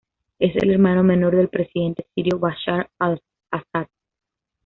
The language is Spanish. Es el hermano menor del presidente sirio Bashar al-Ásad.